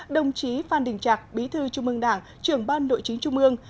đồng chí phan đình trạc bí thư trung mương đảng trường ban nội chính trung mương